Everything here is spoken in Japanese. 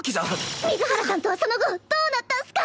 水原さんとはその後どうなったんスか？